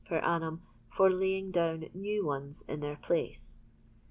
per annum for laying down new ones in their place.